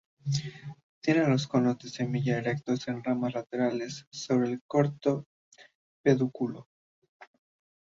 Tiene los conos de semillas erectos en ramas laterales sobre un corto pedúnculo.